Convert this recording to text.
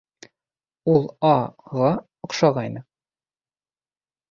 Ул А.-ға оҡшағайны.